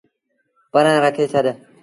پرآن رکي ڇڏ۔